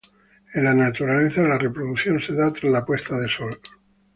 En la naturaleza, la reproducción se da tras la puesta de sol.